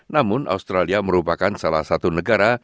namun australia merupakan salah satu negara